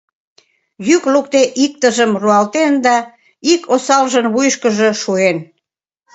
Йӱк лукде иктыжым руалтен да ик осалжын вуйышкыжо шуэн.